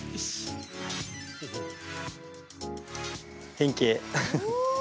変形。